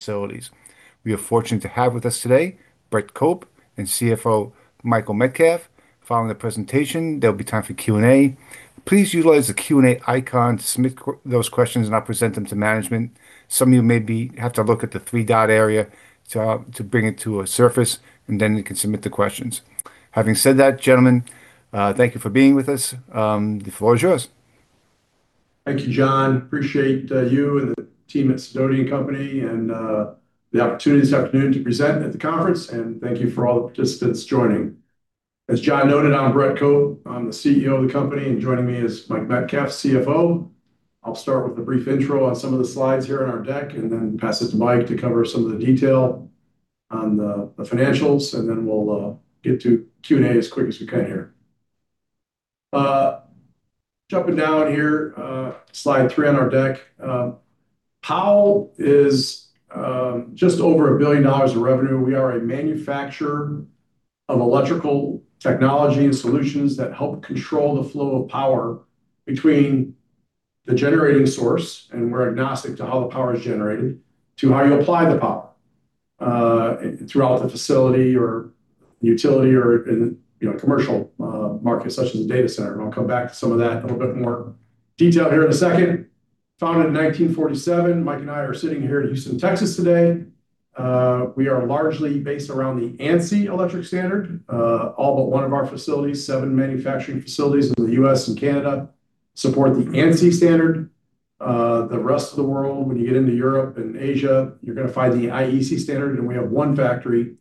Facilities. We are fortunate to have with us today Brett Cope and CFO Michael Metcalf. Following the presentation, there'll be time for Q&A. Please utilize the Q&A icon to submit those questions, and I'll present them to management. Some of you may have to look at the three dot area to bring it to a surface, and then you can submit the questions. Having said that, gentlemen, thank you for being with us. The floor is yours. Thank you, John. Appreciate you and the team at Sidoti & Company and the opportunity this afternoon to present at the conference, and thank you for all the participants joining. As John noted, I'm Brett Cope. I'm the CEO of the company, and joining me is Mike Metcalf, CFO. I'll start with a brief intro on some of the slides here on our deck and then pass it to Mike to cover some of the detail on the financials, and then we'll get to Q&A as quick as we can here. Jumping down here, slide three on our deck. Powell is just over $1 billion of revenue. We are a manufacturer of electrical technology and solutions that help control the flow of power between the generating source, and we're agnostic to how the power is generated, to how you apply the power, throughout the facility or utility or in, you know, commercial, markets such as a data center. I'll come back to some of that in a little bit more detail here in a second. Founded in 1947. Mike and I are sitting here in Houston, Texas today. We are largely based around the ANSI electric standard. All but one of our facilities, seven manufacturing facilities in the U.S. and Canada, support the ANSI standard. The rest of the world, when you get into Europe and Asia, you're gonna find the IEC standard, and we have one factory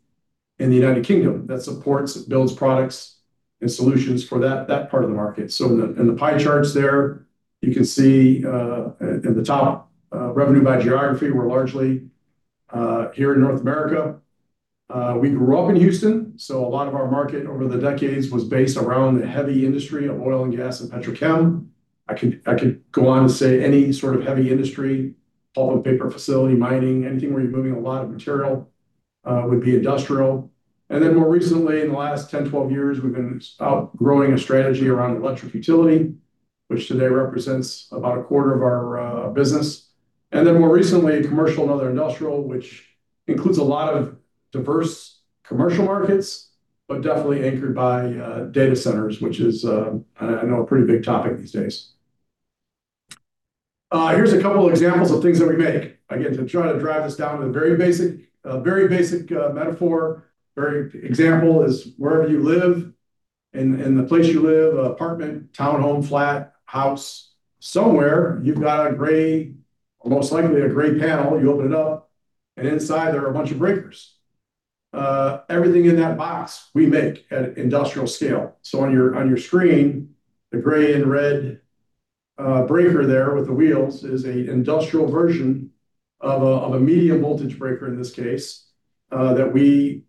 in the United Kingdom that supports, builds products and solutions for that part of the market. In the pie charts there, you can see, at the top, revenue by geography, we're largely here in North America. We grew up in Houston, so a lot of our market over the decades was based around the heavy industry of oil and gas and petrochem. I could go on to say any sort of heavy industry, pulp and paper facility, mining, anything where you're moving a lot of material, would be industrial. More recently, in the last 10, 12 years, we've been growing out a strategy around electric utility, which today represents about a quarter of our business. More recently, commercial and other industrial, which includes a lot of diverse commercial markets, but definitely anchored by data centers, which is I know a pretty big topic these days. Here's a couple examples of things that we make. Again, to try to drive this down to the very basic metaphor. Example is wherever you live, in the place you live, apartment, town home, flat, house, somewhere you've got a gray, or most likely a gray panel. You open it up, and inside there are a bunch of breakers. Everything in that box we make at industrial scale. On your screen, the gray and red breaker there with the wheels is an industrial version of a medium voltage breaker in this case that we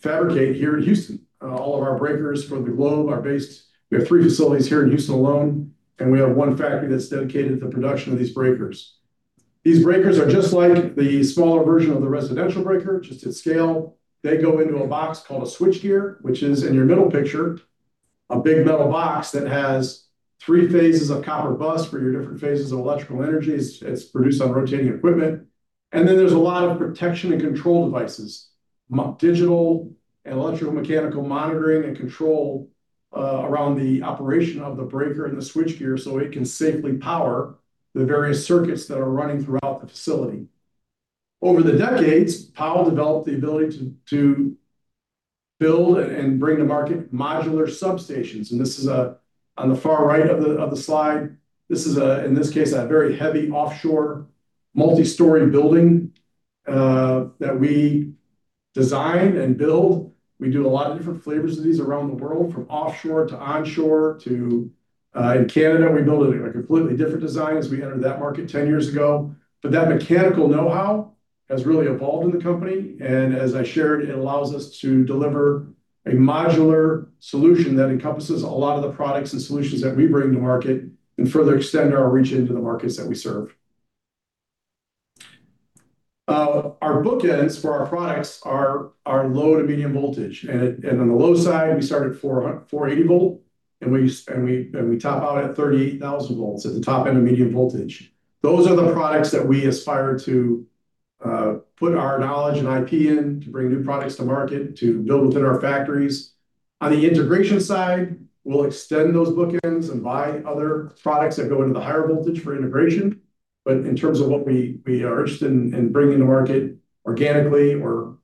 fabricate here in Houston. All of our breakers for the globe are based. We have three facilities here in Houston alone, and we have one factory that's dedicated to production of these breakers. These breakers are just like the smaller version of the residential breaker, just at scale. They go into a box called a switchgear, which is in your middle picture, a big metal box that has three phases of copper bus for your different phases of electrical energy. It's produced on rotating equipment. Then there's a lot of protection and control devices. Digital and electro-mechanical monitoring and control around the operation of the breaker and the switchgear, so it can safely power the various circuits that are running throughout the facility. Over the decades, Powell developed the ability to build and bring to market modular substations. This is on the far right of the slide. This is, in this case, a very heavy offshore multi-story building that we design and build. We do a lot of different flavors of these around the world, from offshore to onshore to, in Canada, we build it in a completely different design as we entered that market 10 years ago. That mechanical know-how has really evolved in the company. As I shared, it allows us to deliver a modular solution that encompasses a lot of the products and solutions that we bring to market and further extend our reach into the markets that we serve. Our bookends for our products are low to medium voltage. On the low side, we start at 480 volt, and we top out at 38,000 volts at the top end of medium voltage. Those are the products that we aspire to put our knowledge and IP in to bring new products to market, to build within our factories. On the integration side, we'll extend those bookends and buy other products that go into the higher voltage for integration. In terms of what we are interested in bringing to market organically or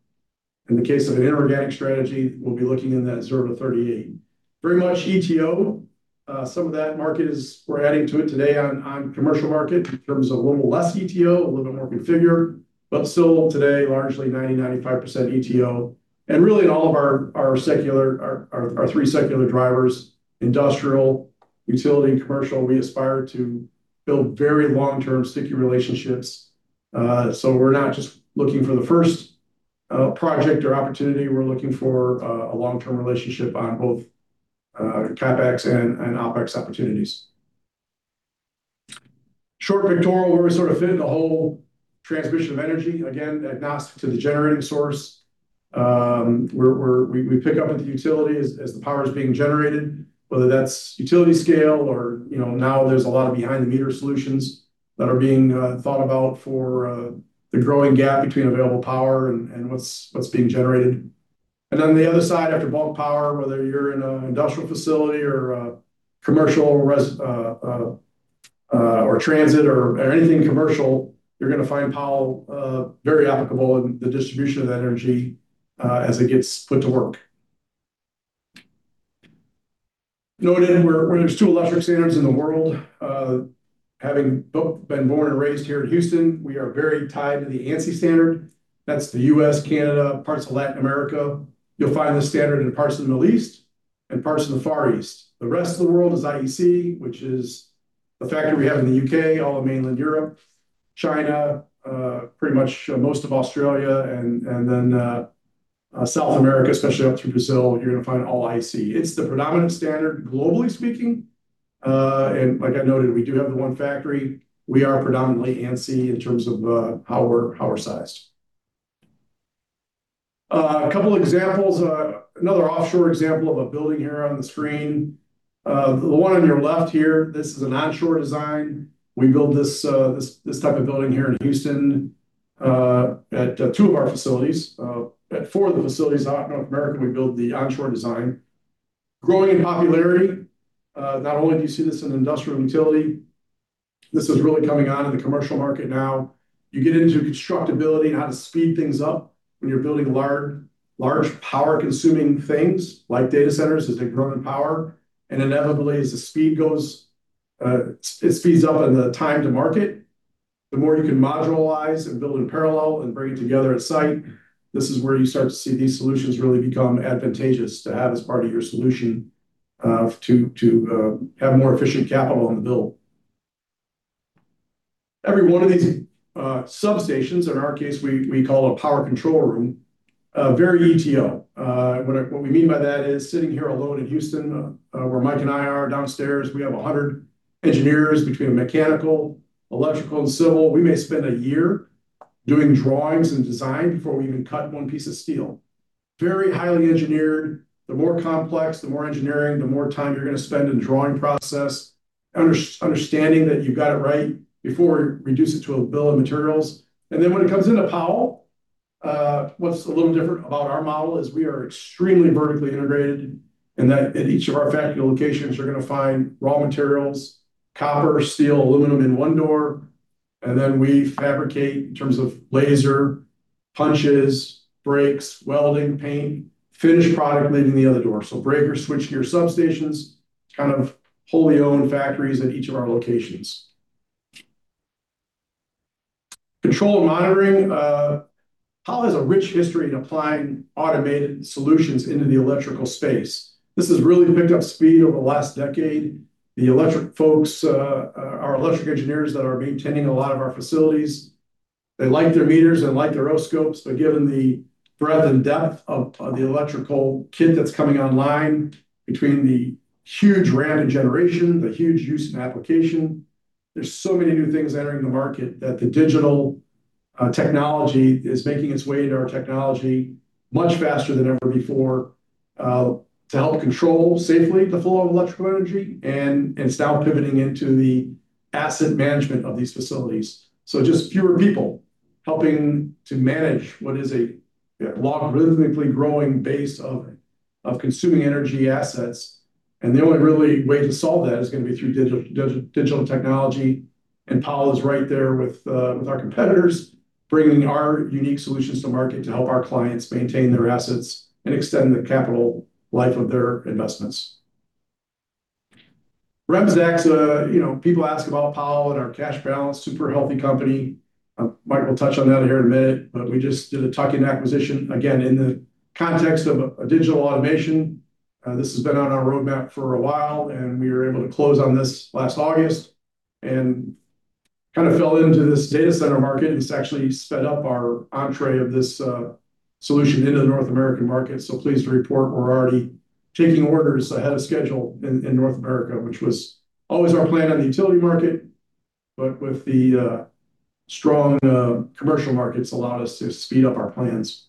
in the case of an inorganic strategy, we'll be looking in that 0%-38%. Very much ETO. Some of that market we're adding to it today on commercial market in terms of a little less ETO, a little bit more configure, but still today, largely 90%-95% ETO. And really in all of our three secular drivers, industrial, utility, and commercial, we aspire to build very long-term sticky relationships. So we're not just looking for the first project or opportunity. We're looking for a long-term relationship on both CapEx and OpEx opportunities. Short pictorial where we sort of fit in the whole transmission of energy. Again, agnostic to the generating source. We pick up at the utility as the power is being generated, whether that's utility scale or, you know, now there's a lot of behind-the-meter solutions that are being thought about for the growing gap between available power and what's being generated. The other side, after bulk power, whether you're in an industrial facility or transit or anything commercial, you're gonna find Powell very applicable in the distribution of energy as it gets put to work. Note where there's two electrical standards in the world, having both been born and raised here in Houston, we are very tied to the ANSI standard. That's the U.S., Canada, parts of Latin America. You'll find the standard in parts of the Middle East and parts of the Far East. The rest of the world is IEC, which is the factory we have in the U.K., all of mainland Europe, China, pretty much most of Australia, and then South America, especially up through Brazil, you're gonna find all IEC. It's the predominant standard globally speaking. Like I noted, we do have the one factory. We are predominantly ANSI in terms of power size. A couple examples. Another offshore example of a building here on the screen. The one on your left here, this is an onshore design. We build this type of building here in Houston at two of our facilities. At four of the facilities out in North America, we build the onshore design. Growing in popularity, not only do you see this in industrial utility, this is really coming on in the commercial market now. You get into constructability and how to speed things up when you're building large power-consuming things like data centers as they grow in power. Inevitably, as the speed goes, it speeds up in the time to market. The more you can modularize and build in parallel and bring it together on site, this is where you start to see these solutions really become advantageous to have as part of your solution, to have more efficient capital in the build. Every one of these substations, in our case, we call a Power Control Room, very ETO. What we mean by that is sitting here alone in Houston, where Mike and I are downstairs, we have 100 engineers between mechanical, electrical, and civil. We may spend a year doing drawings and design before we even cut one piece of steel. Very highly engineered. The more complex, the more engineering, the more time you're gonna spend in the drawing process, understanding that you got it right before you reduce it to a bill of materials. Then when it comes into Powell, what's a little different about our model is we are extremely vertically integrated, and that at each of our factory locations, you're gonna find raw materials, copper, steel, aluminum in one door, and then we fabricate in terms of laser, punches, brakes, welding, paint, finished product leaving the other door. Breaker, switchgear, substations, kind of wholly owned factories at each of our locations. Control and monitoring, Powell has a rich history in applying automated solutions into the electrical space. This has really picked up speed over the last decade. The electric folks, our electric engineers that are maintaining a lot of our facilities, they like their meters, they like their O-scopes. But given the breadth and depth of the electrical kit that's coming online between the huge ramp and generation, the huge use and application, there's so many new things entering the market that the digital technology is making its way into our technology much faster than ever before, to help control safely the flow of electrical energy, and it's now pivoting into the asset management of these facilities. Just fewer people helping to manage what is a logarithmically growing base of consuming energy assets. The only really way to solve that is gonna be through digital technology. Powell is right there with our competitors, bringing our unique solutions to market to help our clients maintain their assets and extend the capital life of their investments. Remsdaq, you know, people ask about Powell and our cash balance, super healthy company. Mike will touch on that here in a minute. We just did a tuck-in acquisition, again, in the context of a digital automation. This has been on our roadmap for a while, and we were able to close on this last August and kinda fell into this data center market. It's actually sped up our entrée of this solution into the North American market. Pleased to report we're already taking orders ahead of schedule in North America, which was always our plan on the utility market, but with the strong commercial markets allowed us to speed up our plans.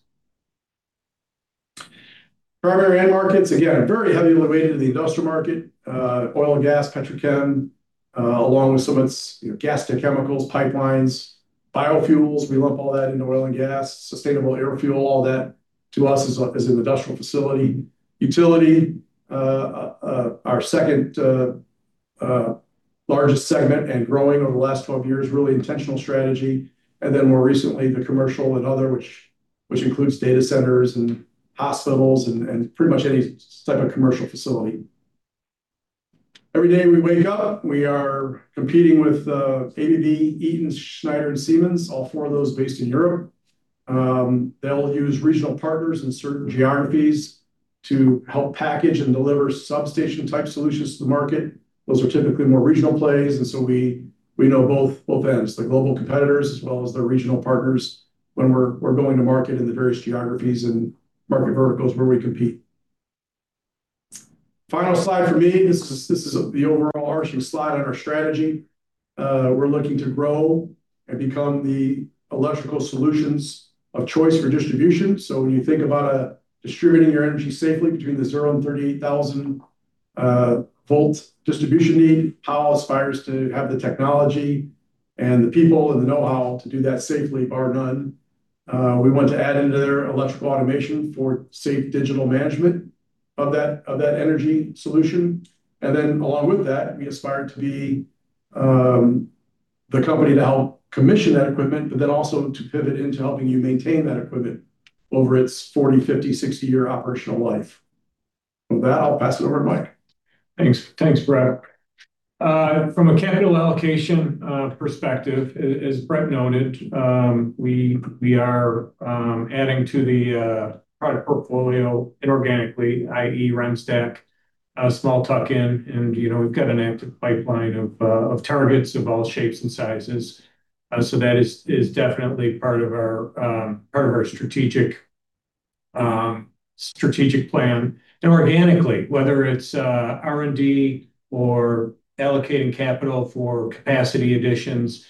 Primary end markets, again, very heavily weighted in the industrial market, oil and gas, petrochem, along with some of its, you know, gas to chemicals, pipelines, biofuels. We lump all that into oil and gas, sustainable aviation fuel, all that to us is an industrial facility. Utility, our second largest segment and growing over the last 12 years, really intentional strategy. Then more recently, the commercial and other which includes data centers and hospitals and pretty much any type of commercial facility. Every day we wake up, we are competing with ABB, Eaton, Schneider, and Siemens, all four of those based in Europe. They'll use regional partners in certain geographies to help package and deliver substation-type solutions to the market. Those are typically more regional plays, and so we know both ends, the global competitors as well as the regional partners when we're going to market in the various geographies and market verticals where we compete. Final slide for me. This is the overarching slide on our strategy. We're looking to grow and become the electrical solutions of choice for distribution. When you think about distributing your energy safely between the 0 volt and 38,000 volt distribution need, Powell aspires to have the technology and the people, and the know-how to do that safely, bar none. We want to add into their electrical automation for safe digital management of that energy solution. Then along with that, we aspire to be the company to help commission that equipment, but then also to pivot into helping you maintain that equipment over its 40, 50, 60-year operational life. With that, I'll pass it over to Mike. Thanks. Thanks, Brett. From a capital allocation perspective, as Brett noted, we are adding to the product portfolio inorganically, i.e. Remsdaq, a small tuck-in, and, you know, we've got an active pipeline of targets of all shapes and sizes. That is definitely part of our strategic plan. Organically, whether it's R&D or allocating capital for capacity additions,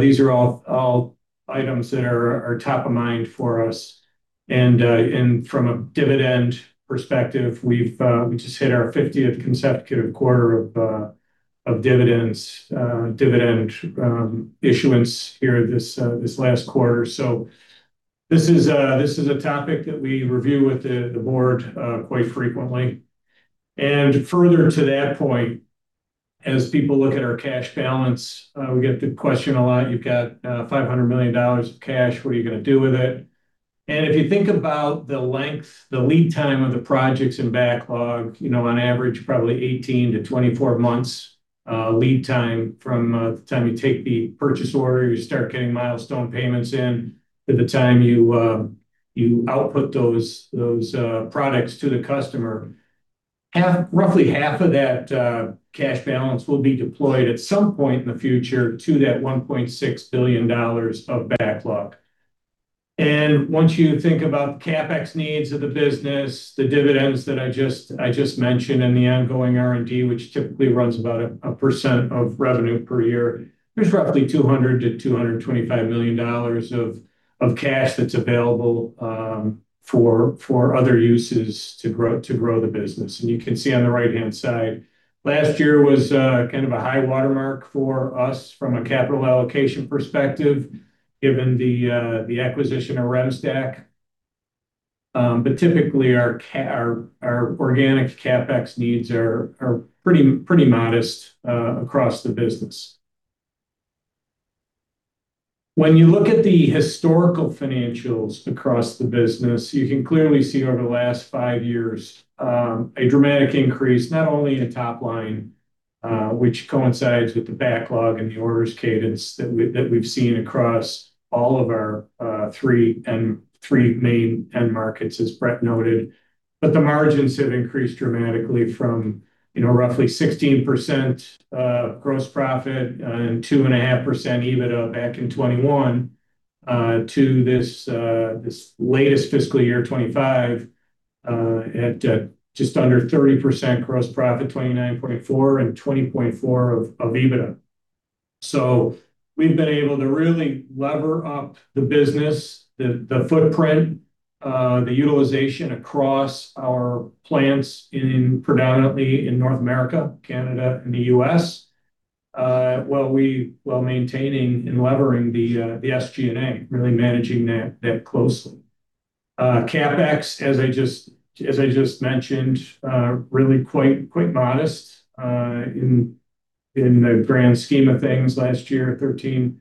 these are all items that are top of mind for us. From a dividend perspective, we just hit our fiftieth consecutive quarter of dividend issuance here this last quarter. This is a topic that we review with the board quite frequently. Further to that point, as people look at our cash balance, we get the question a lot, "You've got $500 million of cash, what are you gonna do with it?" If you think about the length, the lead time of the projects and backlog, you know, on average, probably 18-24 months lead time from the time you take the purchase order, you start getting milestone payments in to the time you output those products to the customer. Half, roughly half of that cash balance will be deployed at some point in the future to that $1.6 billion of backlog. Once you think about the CapEx needs of the business, the dividends that I just mentioned, and the ongoing R&D, which typically runs about 1% of revenue per year, there's roughly $200 million-$225 million of cash that's available for other uses to grow the business. You can see on the right-hand side, last year was kind of a high watermark for us from a capital allocation perspective, given the acquisition of Remsdaq. Typically our organic CapEx needs are pretty modest across the business. When you look at the historical financials across the business, you can clearly see over the last five years, a dramatic increase, not only in top line, which coincides with the backlog and the orders cadence that we've seen across all of our three main end markets, as Brett noted. The margins have increased dramatically from, you know, roughly 16% gross profit and 2.5% EBITDA back in 2021 to this latest fiscal year, 2025, at just under 30% gross profit, 29.4% and 20.4% EBITDA. We've been able to really leverage up the business, the footprint, the utilization across our plants in predominantly in North America, Canada and the US, while maintaining and leveraging the SG&A, really managing that closely. CapEx, as I just mentioned, really quite modest, in the grand scheme of things. Last year, $13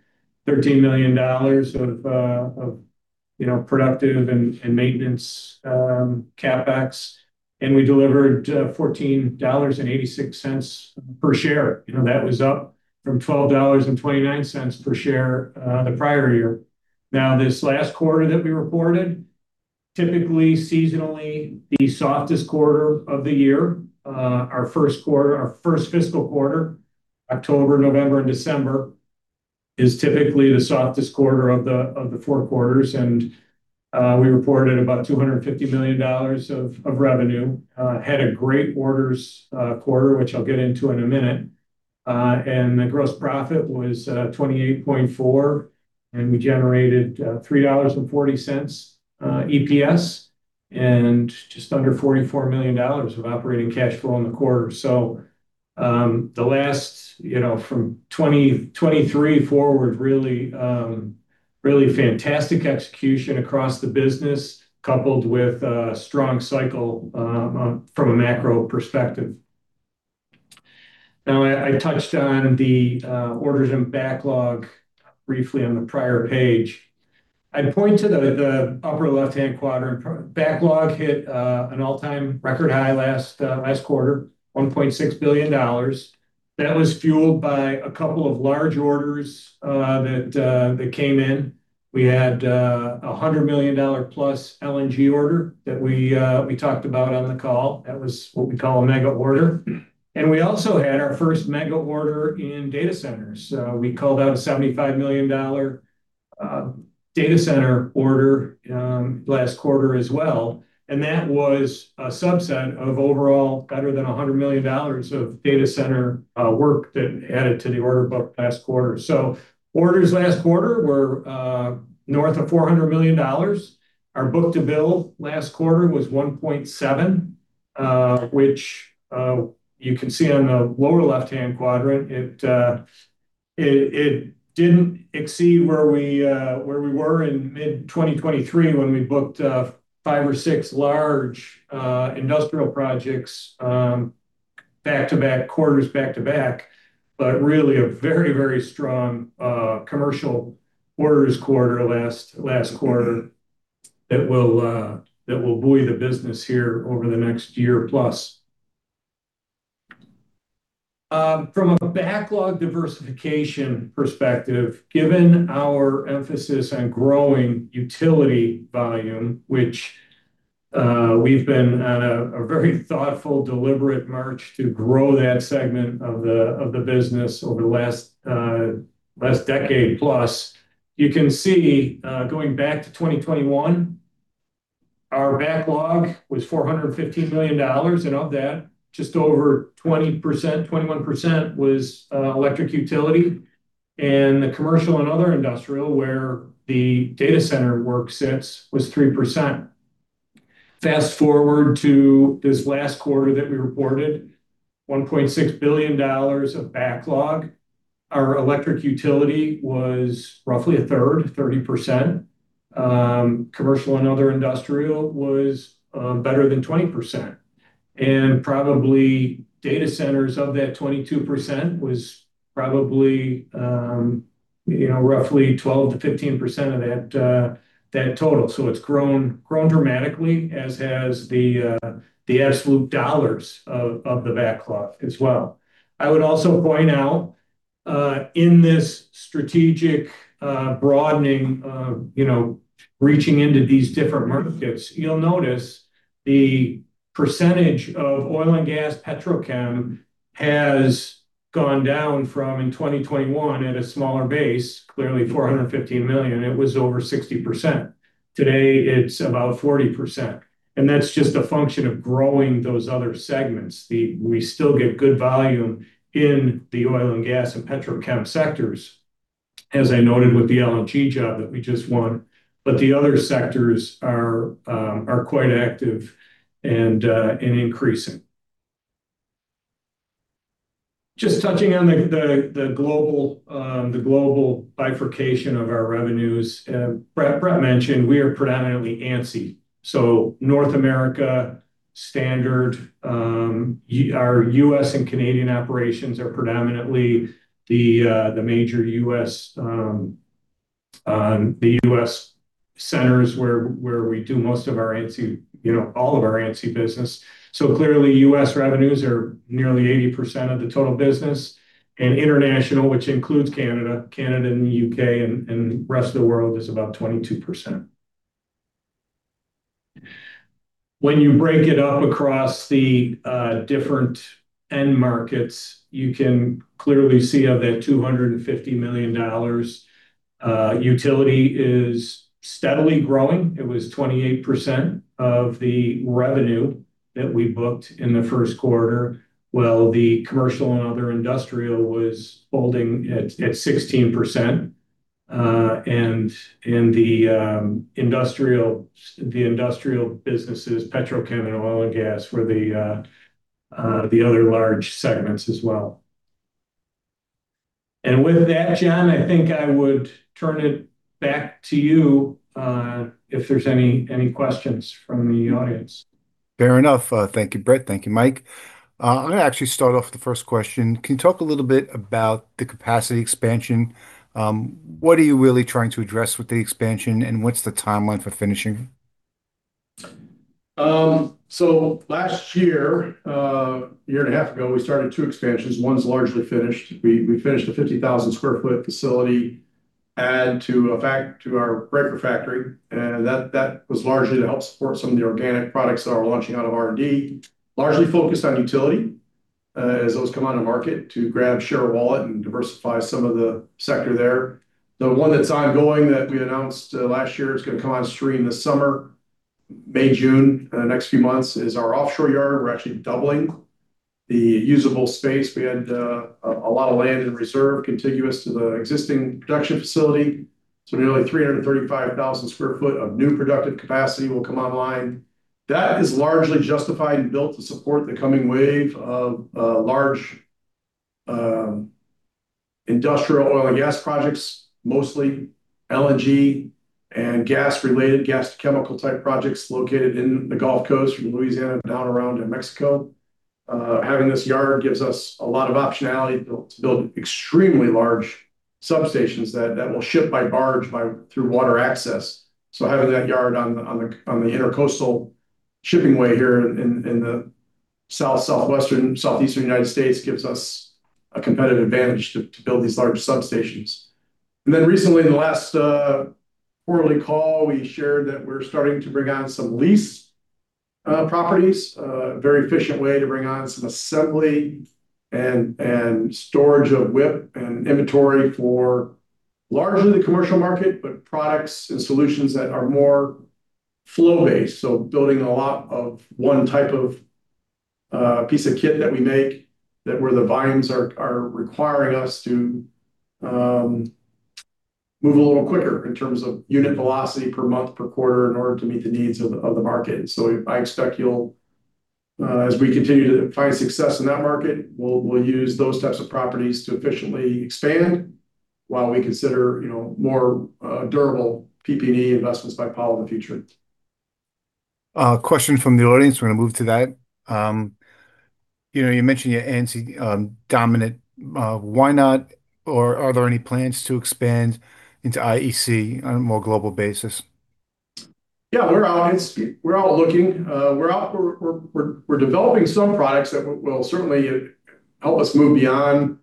million of productive and maintenance CapEx. We delivered $14.86 per share. You know, that was up from $12.29 per share the prior year. Now, this last quarter that we reported, typically seasonally the softest quarter of the year. Our first quarter, our first fiscal quarter, October, November and December, is typically the softest quarter of the four quarters. We reported about $250 million of revenue. Had a great orders quarter, which I'll get into in a minute. The gross profit was 28.4%, and we generated $3.40 EPS, and just under $44 million of operating cash flow in the quarter. The last, you know, from 2023 forward, really fantastic execution across the business, coupled with a strong cycle from a macro perspective. I touched on the orders and backlog briefly on the prior page. I'd point to the upper left-hand quadrant. Backlog hit an all-time record high last quarter, $1.6 billion. That was fueled by a couple of large orders that came in. We had a $100 million plus LNG order that we talked about on the call. That was what we call a mega order. We also had our first mega order in data centers. We called out a $75 million data center order last quarter as well, and that was a subset of overall better than $100 million of data center work that added to the order book last quarter. Orders last quarter were north of $400 million. Our book-to-bill last quarter was $1.7 million, which you can see on the lower left-hand quadrant. It didn't exceed where we were in mid-2023 when we booked five or six large industrial projects back-to-back quarters. Really a very, very strong commercial orders quarter last quarter that will buoy the business here over the next year plus. From a backlog diversification perspective, given our emphasis on growing utility volume, which we've been on a very thoughtful, deliberate march to grow that segment of the business over the last decade plus. You can see going back to 2021, our backlog was $450 million, and of that just over 20%, 21% was electric utility. The commercial and other industrial, where the data center work sits, was 3%. Fast-forward to this last quarter that we reported, $1.6 billion of backlog. Our electric utility was roughly a third, 30%. Commercial and other industrial was better than 20%. Probably data centers of that 22% was probably, you know, roughly 12%-15% of that total. It's grown dramatically, as has the absolute dollars of the backlog as well. I would also point out, in this strategic broadening of, you know, reaching into these different markets, you'll notice the percentage of oil and gas petrochem has gone down from in 2021 at a smaller base, clearly $450 million, it was over 60%. Today it's about 40%, and that's just a function of growing those other segments. We still get good volume in the oil and gas and petrochem sectors, as I noted with the LNG job that we just won, but the other sectors are quite active and increasing. Just touching on the global bifurcation of our revenues. Brett mentioned we are predominantly ANSI, so North America standard. Our U.S. and Canadian operations are predominantly the major U.S. centers where we do most of our ANSI, you know, all of our ANSI business. So clearly U.S. revenues are nearly 80% of the total business. International, which includes Canada and the U.K. and rest of the world, is about 22%. When you break it up across the different end markets, you can clearly see of that $250 million, utility is steadily growing. It was 28% of the revenue that we booked in the first quarter, while the commercial and other industrial was holding at 16%. The industrial businesses, petrochem and oil and gas were the other large segments as well. With that, John, I think I would turn it back to you, if there's any questions from the audience. Fair enough. Thank you, Brett. Thank you, Mike. I'm gonna actually start off with the first question. Can you talk a little bit about the capacity expansion? What are you really trying to address with the expansion, and what's the timeline for finishing? Last year, a year and a half ago, we started two expansions. One's largely finished. We finished a 50,000 sq ft facility add to our breaker factory. That was largely to help support some of the organic products that are launching out of R&D, largely focused on utility, as those come out of market to grab share of wallet and diversify some of the sector there. The one that's ongoing that we announced last year, it's gonna come on stream this summer, May, June. In the next few months is our offshore yard. We're actually doubling the usable space. We had a lot of land in reserve contiguous to the existing production facility, so nearly 335,000 sq ft of new productive capacity will come online. That is largely justified and built to support the coming wave of large industrial oil and gas projects, mostly LNG and gas-related, gas chemical type projects located in the Gulf Coast from Louisiana down around to Mexico. Having this yard gives us a lot of optionality built to build extremely large substations that will ship by barge through water access. Having that yard on the Intracoastal Waterway here in the southeastern United States gives us a competitive advantage to build these large substations. Recently in the last quarterly call, we shared that we're starting to bring on some lease. Properties, very efficient way to bring on some assembly and storage of WIP and inventory for largely the commercial market, but products and solutions that are more flow-based. Building a lot of one type of piece of kit that we make, that where the volumes are requiring us to move a little quicker in terms of unit velocity per month, per quarter in order to meet the needs of the market. I expect you'll, as we continue to find success in that market, we'll use those types of properties to efficiently expand while we consider, you know, more durable PP&E investments by Powell in the future. Question from the audience. We're gonna move to that. You know, you mentioned your ANSI dominant. Why not or are there any plans to expand into IEC on a more global basis? Yeah, we're all looking. We're developing some products that will certainly help us move beyond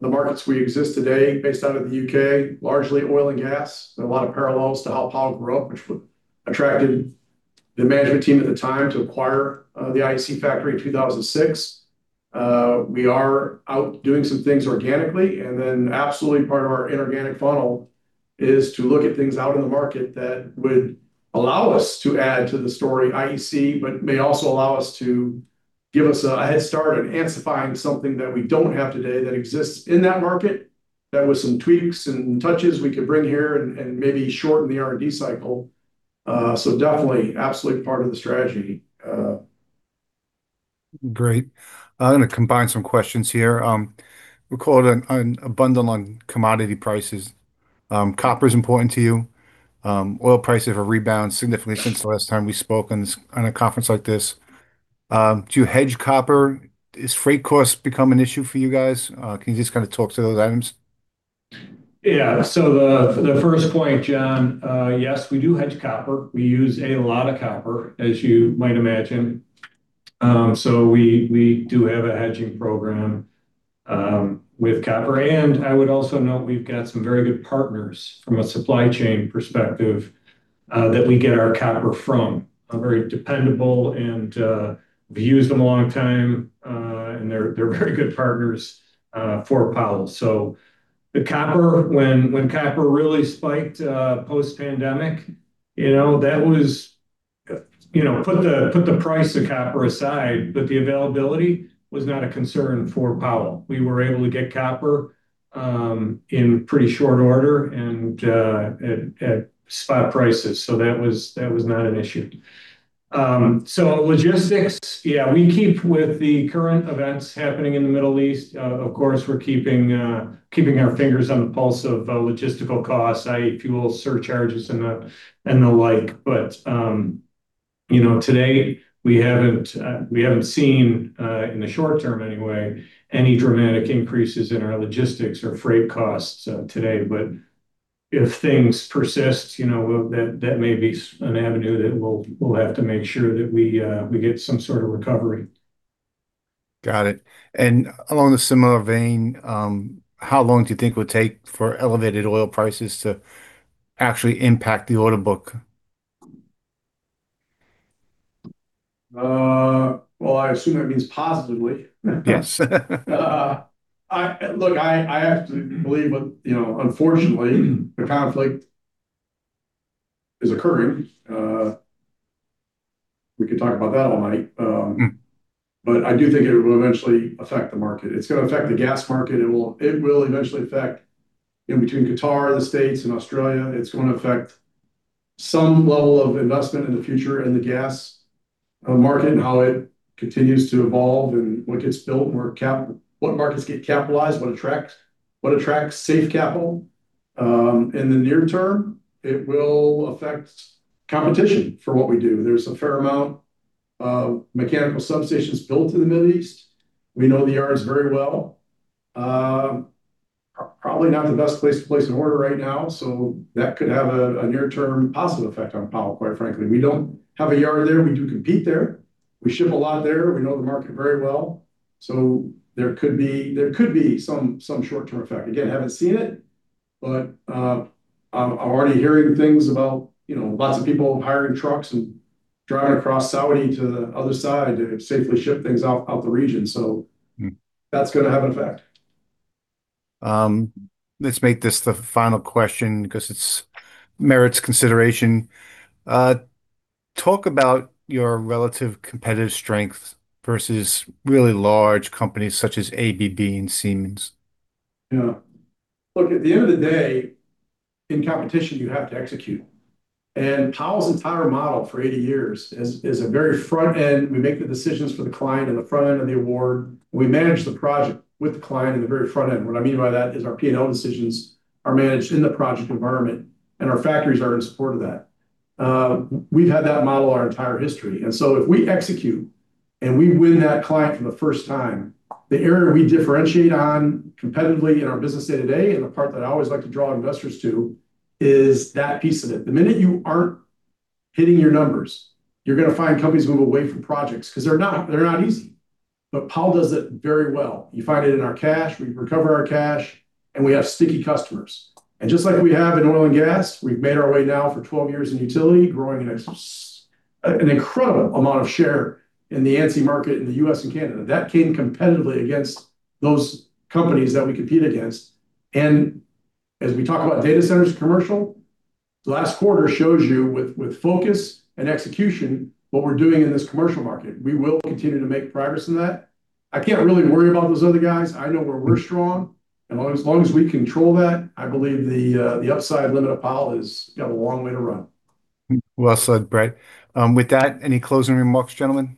the markets we exist today based out of the U.K., largely oil and gas, and a lot of parallels to how Powell grew up, which attracted the management team at the time to acquire the IEC factory in 2006. We are doing some things organically, and then absolutely part of our inorganic funnel is to look at things out in the market that would allow us to add to the story IEC, but may also allow us to give us a head start on ANSI-fying something that we don't have today that exists in that market, that with some tweaks and touches we could bring here and maybe shorten the R&D cycle. Definitely absolutely part of the strategy. Uh- Great. I'm gonna combine some questions here. We call it an update on commodity prices. Copper is important to you. Oil prices have rebounded significantly since the last time we spoke on this, on a conference like this. Do you hedge copper? Have freight costs become an issue for you guys? Can you just kinda talk to those items? Yeah. The first point, John, yes, we do hedge copper. We use a lot of copper, as you might imagine. We do have a hedging program with copper. I would also note we've got some very good partners from a supply chain perspective that we get our copper from, are very dependable and we've used them a long time and they're very good partners for Powell. The copper, when copper really spiked post-pandemic, you know, that was, you know, put the price of copper aside, but the availability was not a concern for Powell. We were able to get copper in pretty short order and at spot prices. That was not an issue. Logistics, yeah, we keep with the current events happening in the Middle East. Of course, we're keeping our fingers on the pulse of logistical costs, i.e. fuel surcharges and the like. You know, today we haven't seen, in the short term anyway, any dramatic increases in our logistics or freight costs today. If things persist, you know, that may be an avenue that we'll have to make sure that we get some sort of recovery. Got it. Along a similar vein, how long do you think it would take for elevated oil prices to actually impact the order book? Well, I assume that means positively. Yes. Look, I have to believe, you know, unfortunately, the conflict is occurring. We could talk about that all night. I do think it will eventually affect the market. It's gonna affect the gas market. It will eventually affect, you know, between Qatar, the States and Australia, it's gonna affect some level of investment in the future in the gas market and how it continues to evolve and what gets built, what markets get capitalized, what attracts safe capital. In the near term, it will affect competition for what we do. There's a fair amount of modular substations built in the Middle East. We know the yards very well. Probably not the best place to place an order right now. That could have a near-term positive effect on Powell, quite frankly. We don't have a yard there. We do compete there. We ship a lot there. We know the market very well. There could be some short-term effect. Again, haven't seen it, but I'm already hearing things about, you know, lots of people hiring trucks and driving across Saudi to the other side to safely ship things out the region. That's gonna have an effect. Let's make this the final question because it merits consideration. Talk about your relative competitive strength versus really large companies such as ABB and Siemens. Yeah. Look, at the end of the day, in competition, you have to execute. Powell's entire model for 80 years is a very front-end. We make the decisions for the client in the front end of the award. We manage the project with the client in the very front end. What I mean by that is our P&L decisions are managed in the project environment, and our factories are in support of that. We've had that model our entire history. If we execute and we win that client for the first time, the area we differentiate on competitively in our business day to day, and the part that I always like to draw investors to, is that piece of it. The minute you aren't hitting your numbers, you're gonna find companies move away from projects because they're not easy. Powell does it very well. You find it in our cash, we recover our cash, and we have sticky customers. Just like we have in oil and gas, we've made our way now for 12 years in utility, growing an incredible amount of share in the ANSI market in the U.S. and Canada. That came competitively against those companies that we compete against. As we talk about data centers commercial, last quarter shows you with focus and execution, what we're doing in this commercial market. We will continue to make progress in that. I can't really worry about those other guys. I know where we're strong. As long as we control that, I believe the upside limit of Powell has got a long way to run. Well said, Brett. With that, any closing remarks, gentlemen?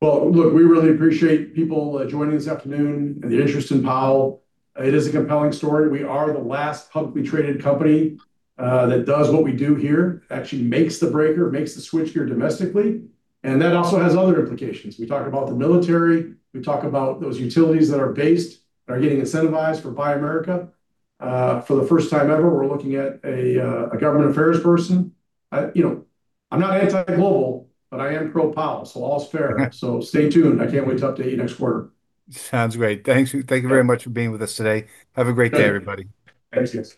Well, look, we really appreciate people joining this afternoon and the interest in Powell. It is a compelling story. We are the last publicly traded company that does what we do here, actually makes the breaker, makes the switchgear domestically. That also has other implications. We talk about the military, we talk about those utilities that are getting incentivized for Buy America. For the first time ever, we're looking at a government affairs person. You know, I'm not anti-global, but I am pro Powell, so all's fair. Stay tuned. I can't wait to update you next quarter. Sounds great. Thank you. Thank you very much for being with us today. Have a great day, everybody. Thanks, guys.